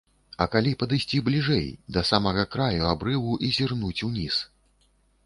А калі падысці бліжэй, да самага краю абрыву, і зірнуць уніз?